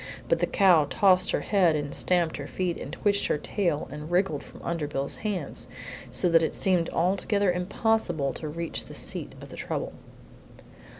But the cow tossed her head and stamped her feet and switched her tail and wriggled from under Bill's hands, so that it seemed altogether impossible to reach the seat of the trouble.